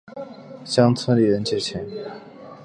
向村里的人借钱